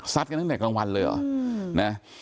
กันตั้งแต่กลางวันเลยเหรอนะ